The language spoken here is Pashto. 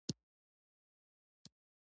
دوی د سیلانیانو لپاره ښه سهولتونه لري.